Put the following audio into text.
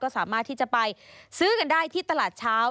สามารถที่จะไปซื้อกันได้ที่ตลาดเช้า